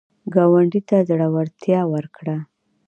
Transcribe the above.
ګاونډي ته زړورتیا ورکړه